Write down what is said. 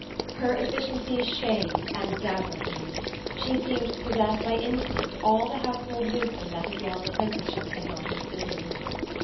Her efficiency shamed and dazzled him. She seemed to possess by instinct all the household wisdom that his long apprenticeship had not instilled in him.